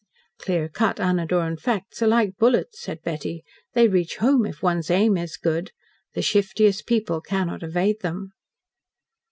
"Clear cut, unadorned facts are like bullets," said Betty. "They reach home, if one's aim is good. The shiftiest people cannot evade them."